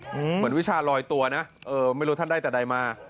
เหมือนวิชาลอยตัวนะเออไม่รู้ท่านได้แต่ใดมา